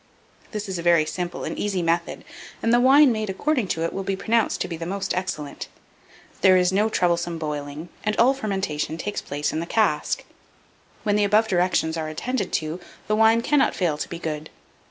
This is a very simple and easy method, and the wine made according to it will be pronounced to be most excellent. There is no troublesome boiling, and all fermentation takes place in the cask. When the above directions are attended to, the wine cannot fail to be good.